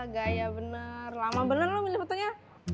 gaya bener lama bener lu milih fotonya